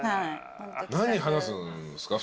何話すんすか？